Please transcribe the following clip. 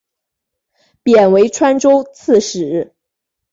贬为川州刺史。